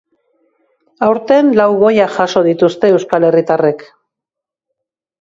Aurten, lau goya jaso dituzte euskal herritarrek.